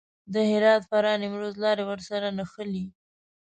د هرات، فراه، نیمروز لارې ورسره نښلي.